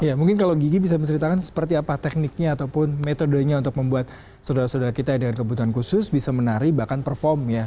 ya mungkin kalau gigi bisa menceritakan seperti apa tekniknya ataupun metodenya untuk membuat saudara saudara kita yang dengan kebutuhan khusus bisa menari bahkan perform ya